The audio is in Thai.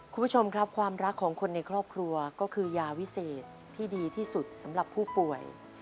คุณผู้ชมครับความรักของคนในครอบครัวก็คือยาวิเศษที่ดีที่สุดสำหรับผู้ป่วย